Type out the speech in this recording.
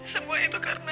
semua itu karena